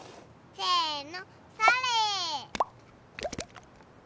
せの！